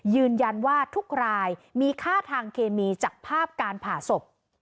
ยืนยันว่าทุกรายมีค่าทางเคมีจากภาพการผ่าศพ